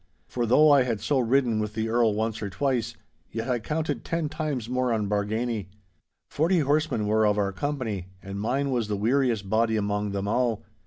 For though I had so ridden with the Earl once or twice, yet I counted ten times more on Bargany. Forty horsemen were of our company, and mine was the weariest body among them all.